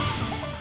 terima kasih pak